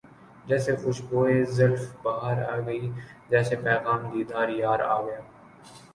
جیسے خوشبوئے زلف بہار آ گئی جیسے پیغام دیدار یار آ گیا